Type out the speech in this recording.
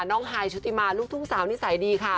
ฮายชุติมาลูกทุ่งสาวนิสัยดีค่ะ